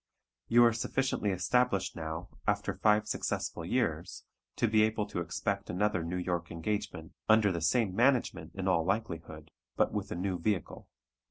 You are sufficiently established now, after five successful years, to be able to expect another New York engagement, under the same management in all likelihood but with a new vehicle.